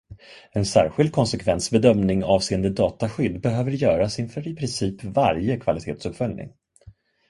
En särskild konsekvensbedömning avseende dataskydd behöver göras inför i princip varje kvalitetsuppföljning.